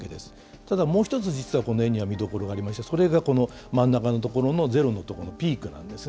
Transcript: ただ、もう１つ実はこの絵には見どころがありまして、それがこの真ん中の所の、ゼロのところのピークなんですね。